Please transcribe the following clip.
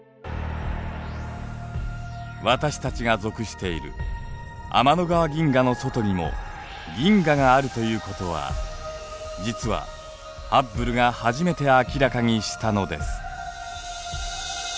私たちが属している天の川銀河の外にも銀河があるということは実はハッブルが初めて明らかにしたのです。